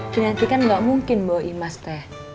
kinantikan gak mungkin bawa imas teh